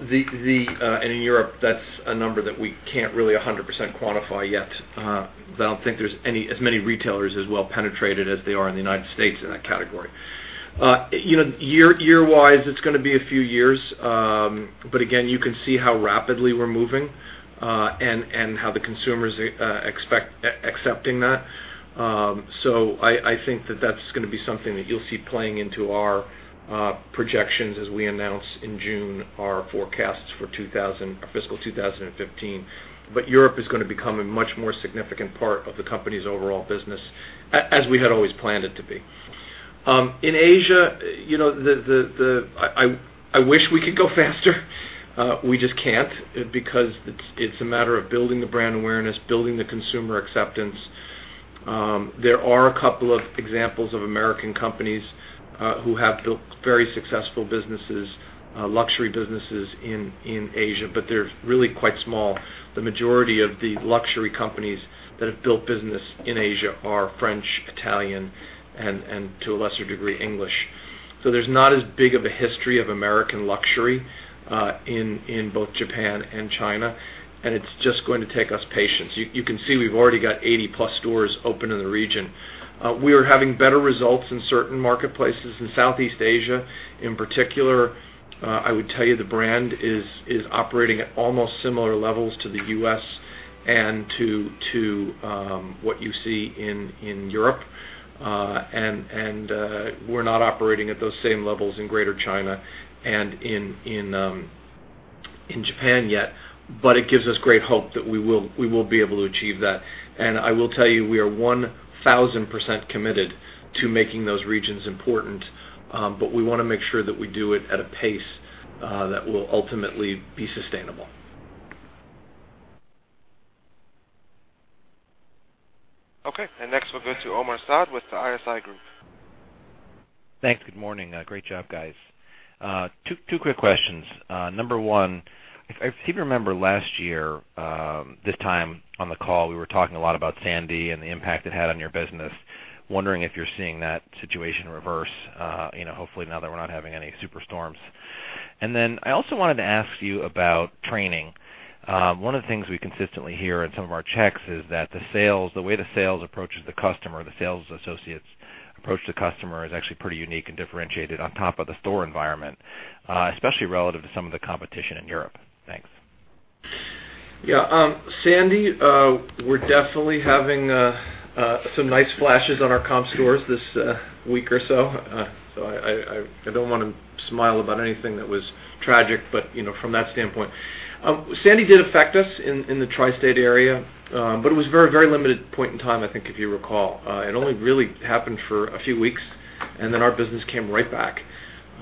In Europe, that's a number that we can't really 100% quantify yet. I don't think there's as many retailers as well penetrated as they are in the U.S. in that category. Year wise, it's going to be a few years. Again, you can see how rapidly we're moving, and how the consumer is accepting that. I think that that's going to be something that you'll see playing into our projections as we announce in June our forecasts for fiscal 2015. Europe is going to become a much more significant part of the company's overall business, as we had always planned it to be. In Asia, I wish we could go faster. We just can't because it's a matter of building the brand awareness, building the consumer acceptance. There are a couple of examples of American companies who have built very successful businesses, luxury businesses in Asia, they're really quite small. The majority of the luxury companies that have built business in Asia are French, Italian, and to a lesser degree, English. There's not as big of a history of American luxury in both Japan and China, and it's just going to take us patience. You can see we've already got 80 plus stores open in the region. We are having better results in certain marketplaces in Southeast Asia. In particular, I would tell you the brand is operating at almost similar levels to the U.S. and to what you see in Europe. We're not operating at those same levels in Greater China and in Japan yet, it gives us great hope that we will be able to achieve that. I will tell you, we are 1,000% committed to making those regions important. We want to make sure that we do it at a pace that will ultimately be sustainable. Next we'll go to Omar Saad with the ISI Group. Thanks. Good morning. Great job, guys. Two quick questions. Number one, if I seem to remember last year this time on the call, we were talking a lot about Hurricane Sandy and the impact it had on your business. Wondering if you're seeing that situation reverse, hopefully now that we're not having any super storms. I also wanted to ask you about training. One of the things we consistently hear in some of our checks is that the way the sales approaches the customer, the sales associate's approach to the customer is actually pretty unique and differentiated on top of the store environment, especially relative to some of the competition in Europe. Thanks. Yeah. Hurricane Sandy, we're definitely having some nice flashes on our comp stores this week or so. I don't want to smile about anything that was tragic, but from that standpoint. Hurricane Sandy did affect us in the tri-state area, but it was very limited point in time, I think, if you recall. It only really happened for a few weeks, then our business came right back.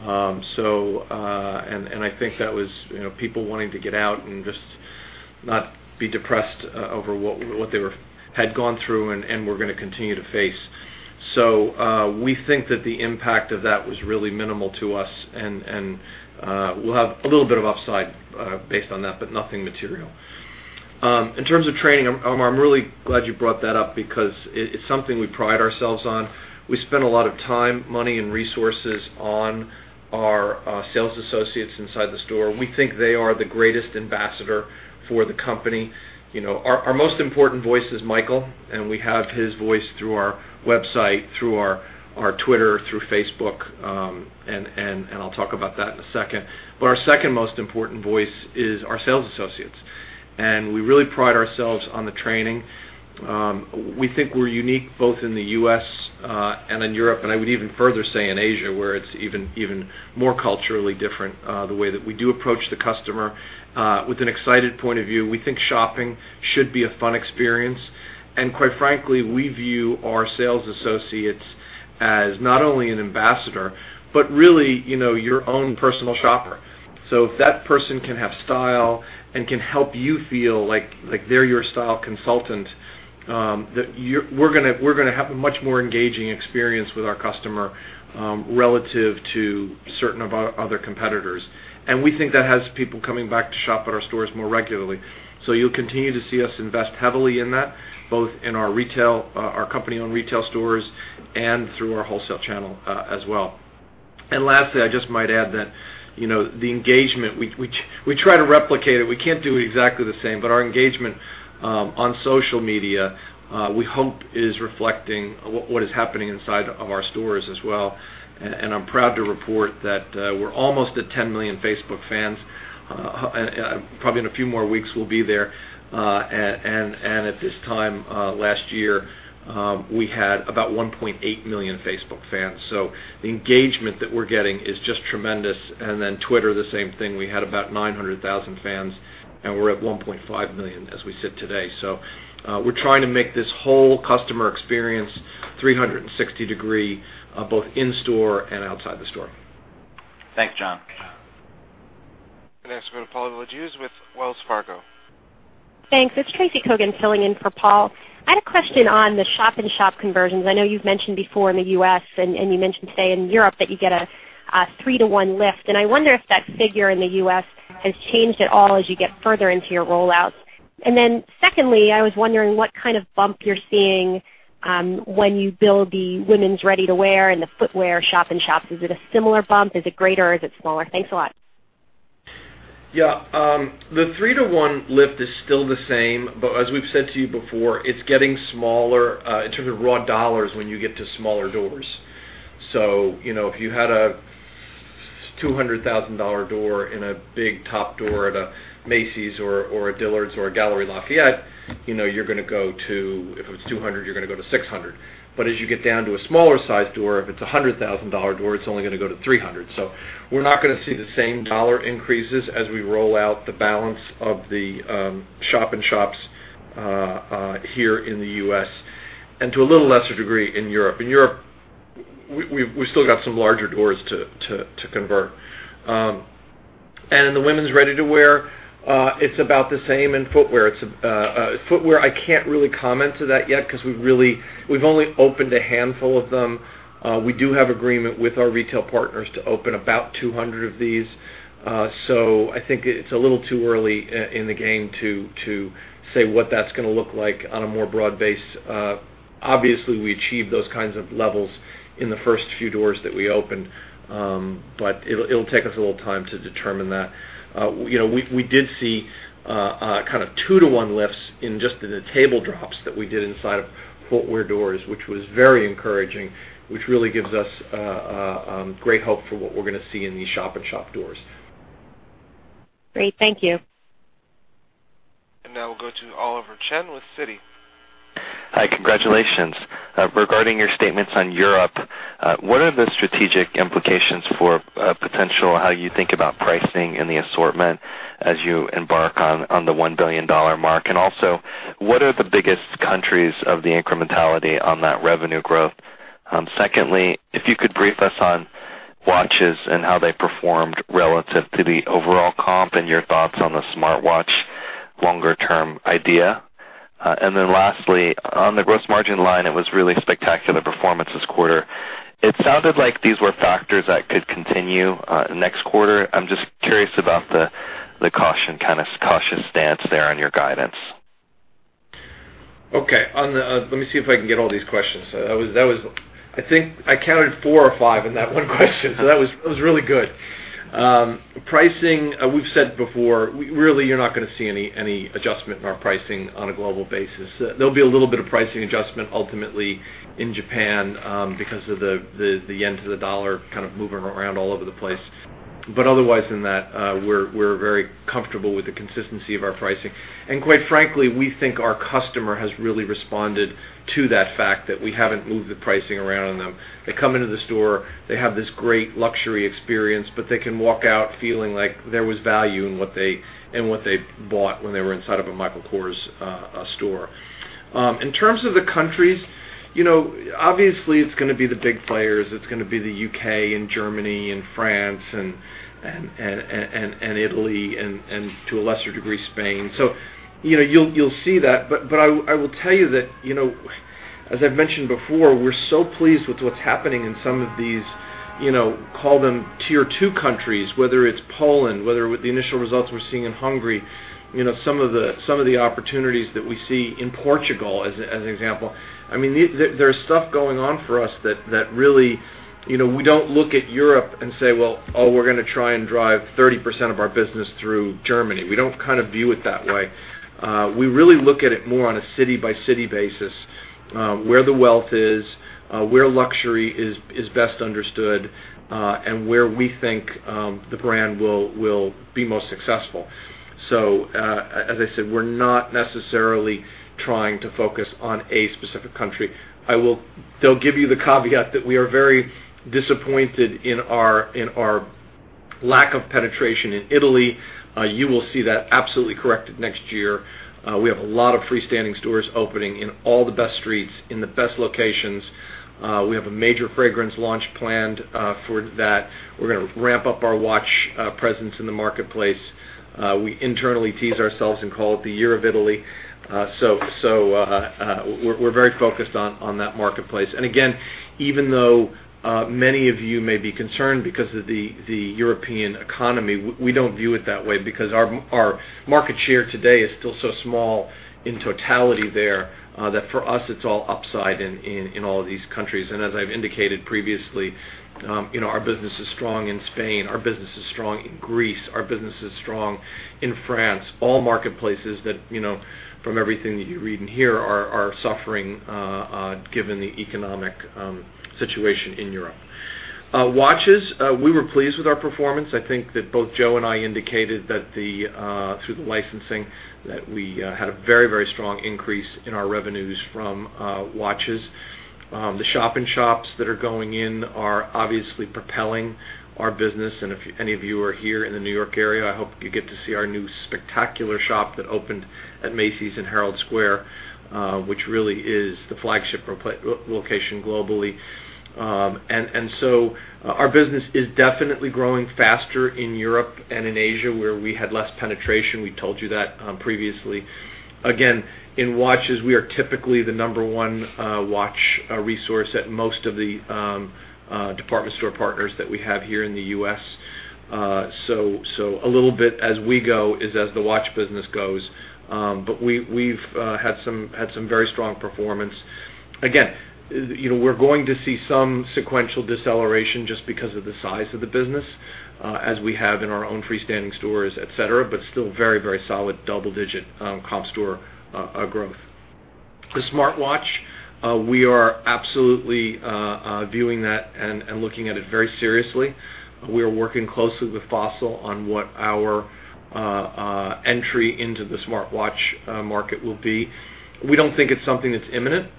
I think that was people wanting to get out and just not be depressed over what they had gone through and were going to continue to face. We think that the impact of that was really minimal to us, and we'll have a little bit of upside based on that, but nothing material. In terms of training, Omar, I'm really glad you brought that up because it's something we pride ourselves on. We spend a lot of time, money, and resources on our sales associates inside the store. We think they are the greatest ambassador for the company. Our most important voice is Michael, we have his voice through our website, through our Twitter, through Facebook, I'll talk about that in a second. Our second most important voice is our sales associates. We really pride ourselves on the training. We think we're unique both in the U.S. and in Europe, I would even further say in Asia, where it's even more culturally different, the way that we do approach the customer with an excited point of view. We think shopping should be a fun experience. Quite frankly, we view our sales associates as not only an ambassador, but really your own personal shopper. If that person can have style and can help you feel like they're your style consultant, we're going to have a much more engaging experience with our customer relative to certain of our other competitors. We think that has people coming back to shop at our stores more regularly. You'll continue to see us invest heavily in that, both in our company-owned retail stores and through our wholesale channel as well. Lastly, I just might add that the engagement, we try to replicate it. We can't do it exactly the same, but our engagement on social media, we hope is reflecting what is happening inside of our stores as well. I'm proud to report that we're almost at 10 million Facebook fans. Probably in a few more weeks, we'll be there. At this time last year, we had about 1.8 million Facebook fans. The engagement that we're getting is just tremendous. Twitter, the same thing. We had about 900,000 fans, and we're at 1.5 million as we sit today. We're trying to make this whole customer experience 360-degree, both in store and outside the store. Thanks, John. Next we go to Paul Lejuez with Wells Fargo. Thanks. It is Tracy Cogan filling in for Paul. I had a question on the shop-in-shop conversions. I know you have mentioned before in the U.S., and you mentioned today in Europe that you get a three-to-one lift, and I wonder if that figure in the U.S. has changed at all as you get further into your rollouts. Secondly, I was wondering what kind of bump you are seeing when you build the women's ready-to-wear and the footwear shop-in-shops. Is it a similar bump? Is it greater or is it smaller? Thanks a lot. Yeah. The three-to-one lift is still the same. As we have said to you before, it is getting smaller in terms of raw dollars when you get to smaller doors. If you had a $200,000 door in a big top door at a Macy's or a Dillard's or a Galeries Lafayette, if it was $200,000, you are going to go to $600,000. As you get down to a smaller size door, if it is a $100,000 door, it is only going to go to $300,000. We are not going to see the same dollar increases as we roll out the balance of the shop-in-shops here in the U.S., and to a little lesser degree in Europe. In Europe, we have still got some larger doors to convert. In the women's ready-to-wear, it is about the same. In footwear, I cannot really comment to that yet because we have only opened a handful of them. We do have agreement with our retail partners to open about 200 of these. I think it is a little too early in the game to say what that is going to look like on a more broad base. Obviously, we achieved those kinds of levels in the first few doors that we opened. It will take us a little time to determine that. We did see kind of two-to-one lifts just in the table drops that we did inside of footwear doors, which was very encouraging, which really gives us great hope for what we are going to see in these shop-in-shop doors. Great. Thank you. Now we'll go to Oliver Chen with Citi. Hi. Congratulations. Regarding your statements on Europe, what are the strategic implications for potential how you think about pricing and the assortment as you embark on the $1 billion mark? Also, what are the biggest countries of the incrementality on that revenue growth? Secondly, if you could brief us on watches and how they performed relative to the overall comp and your thoughts on the smartwatch longer-term idea. Lastly, on the gross margin line, it was really spectacular performance this quarter. It sounded like these were factors that could continue next quarter. I'm just curious about the caution stance there on your guidance. Okay. Let me see if I can get all these questions. I think I counted four or five in that one question. That was really good. Pricing, we've said before, really, you're not going to see any adjustment in our pricing on a global basis. There'll be a little bit of pricing adjustment ultimately in Japan because of the yen to the dollar kind of moving around all over the place. Otherwise than that, we're very comfortable with the consistency of our pricing. Quite frankly, we think our customer has really responded to that fact that we haven't moved the pricing around on them. They come into the store, they have this great luxury experience, but they can walk out feeling like there was value in what they bought when they were inside of a Michael Kors store. In terms of the countries, obviously it's going to be the big players. It's going to be the U.K. and Germany and France and Italy, and to a lesser degree, Spain. You'll see that. I will tell you that, as I've mentioned before, we're so pleased with what's happening in some of these call them tier 2 countries, whether it's Poland, whether with the initial results we're seeing in Hungary, some of the opportunities that we see in Portugal as an example. There's stuff going on for us that really we don't look at Europe and say, "Well, oh, we're going to try and drive 30% of our business through Germany." We don't view it that way. We really look at it more on a city-by-city basis, where the wealth is, where luxury is best understood, and where we think the brand will be most successful. As I said, we're not necessarily trying to focus on a specific country. I will still give you the caveat that we are very disappointed in our lack of penetration in Italy, you will see that absolutely corrected next year. We have a lot of freestanding stores opening in all the best streets, in the best locations. We have a major fragrance launch planned for that. We're going to ramp up our watch presence in the marketplace. We internally tease ourselves and call it the Year of Italy. We're very focused on that marketplace. Again, even though many of you may be concerned because of the European economy, we don't view it that way because our market share today is still so small in totality there, that for us it's all upside in all of these countries. As I've indicated previously, our business is strong in Spain, our business is strong in Greece, our business is strong in France. All marketplaces that, from everything that you read and hear, are suffering given the economic situation in Europe. Watches, we were pleased with our performance. I think that both Joe and I indicated that through the licensing, that we had a very strong increase in our revenues from watches. The shop-in-shops that are going in are obviously propelling our business, and if any of you are here in the New York area, I hope you get to see our new spectacular shop that opened at Macy's in Herald Square, which really is the flagship location globally. Our business is definitely growing faster in Europe and in Asia, where we had less penetration. We told you that previously. Again, in watches, we are typically the number one watch resource at most of the department store partners that we have here in the U.S. A little bit as we go is as the watch business goes. We've had some very strong performance. We're going to see some sequential deceleration just because of the size of the business, as we have in our own freestanding stores, et cetera, but still very solid double-digit comp store growth. The smartwatch, we are absolutely viewing that and looking at it very seriously. We are working closely with Fossil on what our entry into the smartwatch market will be. We don't think it's something that's imminent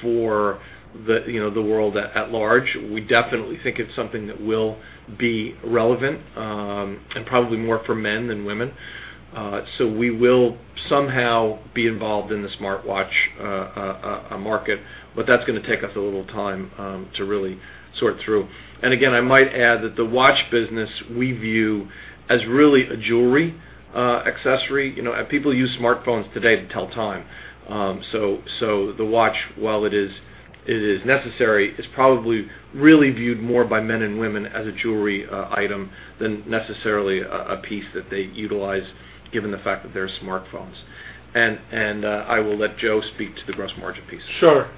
for the world at large. We definitely think it's something that will be relevant, and probably more for men than women. We will somehow be involved in the smartwatch market, but that's going to take us a little time to really sort through. Again, I might add that the watch business, we view as really a jewelry accessory. People use smartphones today to tell time, so the watch, while it is necessary, is probably really viewed more by men and women as a jewelry item than necessarily a piece that they utilize given the fact that there are smartphones. I will let Joe speak to the gross margin piece. Sure.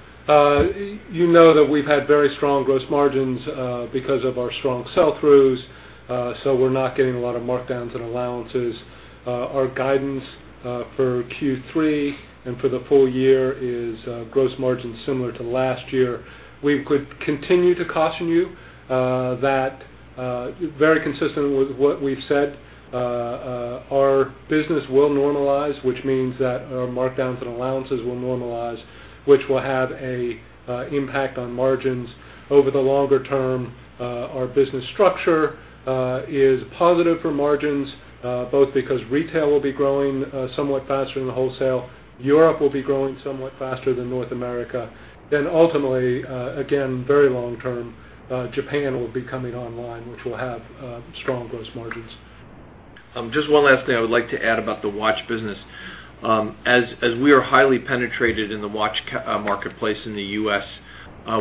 You know that we've had very strong gross margins because of our strong sell-throughs, so we're not getting a lot of markdowns and allowances. Our guidance for Q3 and for the full year is gross margin similar to last year. We could continue to caution you that very consistent with what we've said, our business will normalize, which means that our markdowns and allowances will normalize, which will have an impact on margins. Over the longer term, our business structure is positive for margins, both because retail will be growing somewhat faster than the wholesale. Europe will be growing somewhat faster than North America. Ultimately, again, very long term, Japan will be coming online, which will have strong gross margins. Just one last thing I would like to add about the watch business. As we are highly penetrated in the watch marketplace in the U.S.,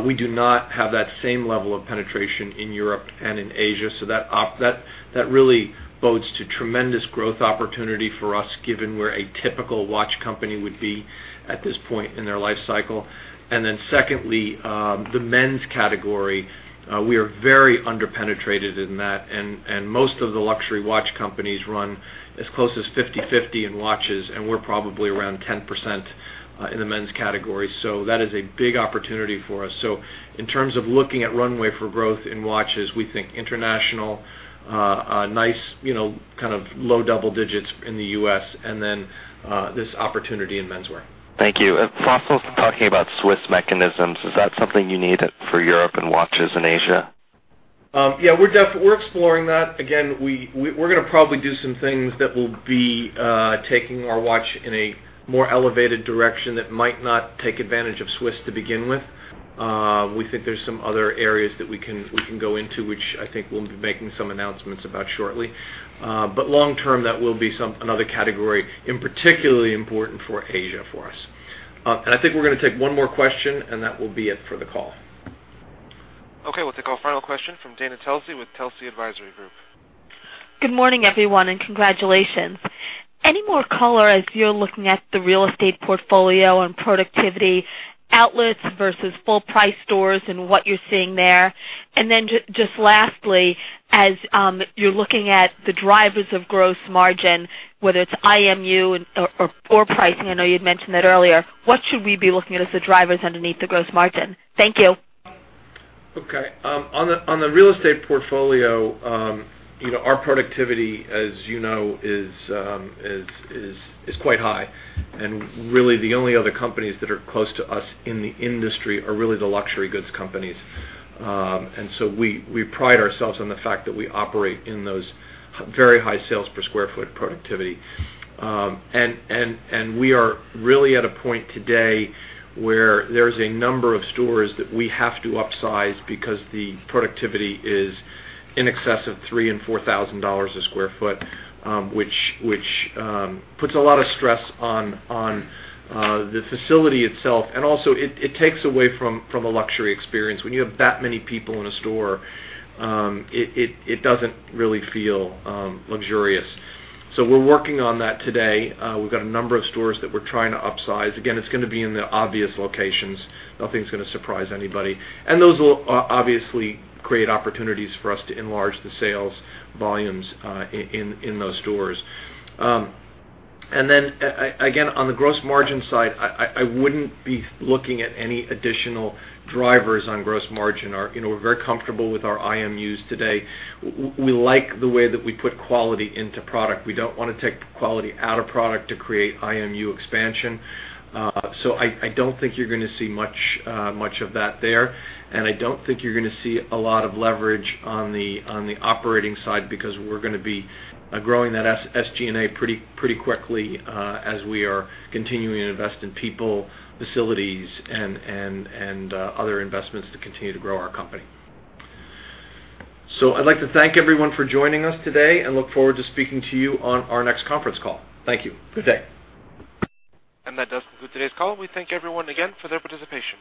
we do not have that same level of penetration in Europe and in Asia. That really bodes to tremendous growth opportunity for us, given where a typical watch company would be at this point in their life cycle. Secondly, the men's category, we are very under-penetrated in that, and most of the luxury watch companies run as close as 50/50 in watches, and we're probably around 10% in the men's category. That is a big opportunity for us. In terms of looking at runway for growth in watches, we think international, a nice kind of low double digits in the U.S., and then this opportunity in menswear. Thank you. Fossil's talking about Swiss mechanisms. Is that something you need for Europe and watches in Asia? Yeah, we're exploring that. Again, we're going to probably do some things that will be taking our watch in a more elevated direction that might not take advantage of Swiss to begin with. We think there's some other areas that we can go into, which I think we'll be making some announcements about shortly. Long term, that will be another category, and particularly important for Asia for us. I think we're going to take one more question, and that will be it for the call. Okay. We'll take our final question from Dana Telsey with Telsey Advisory Group. Good morning, everyone, and congratulations. Any more color as you're looking at the real estate portfolio and productivity outlets versus full price stores and what you're seeing there? Lastly, as you're looking at the drivers of gross margin, whether it's IMU or pricing, I know you'd mentioned that earlier, what should we be looking at as the drivers underneath the gross margin? Thank you. Okay. On the real estate portfolio, our productivity, as you know, is quite high, really the only other companies that are close to us in the industry are really the luxury goods companies. We pride ourselves on the fact that we operate in those very high sales per square foot productivity. We are really at a point today where there's a number of stores that we have to upsize because the productivity is in excess of $3,000 and $4,000 a square foot which puts a lot of stress on the facility itself. Also it takes away from a luxury experience. When you have that many people in a store, it doesn't really feel luxurious. We're working on that today. We've got a number of stores that we're trying to upsize. Again, it's going to be in the obvious locations. Nothing's going to surprise anybody. Those will obviously create opportunities for us to enlarge the sales volumes in those stores. Again, on the gross margin side, I wouldn't be looking at any additional drivers on gross margin. We're very comfortable with our IMUs today. We like the way that we put quality into product. We don't want to take quality out of product to create IMU expansion. I don't think you're going to see much of that there. I don't think you're going to see a lot of leverage on the operating side, because we're going to be growing that SG&A pretty quickly as we are continuing to invest in people, facilities, and other investments to continue to grow our company. I'd like to thank everyone for joining us today and look forward to speaking to you on our next conference call. Thank you. Good day. That does conclude today's call. We thank everyone again for their participation.